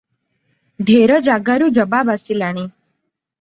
ଢେର ଜାଗାରୁ ଜବାବ ଆସିଲାଣି ।